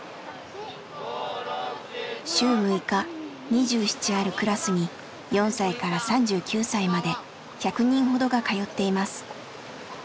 週６日２７あるクラスに４歳から３９歳まで１００人ほどが通っています。